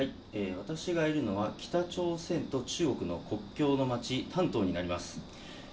私がいるのは北朝鮮と中国の国境の町、丹東になります。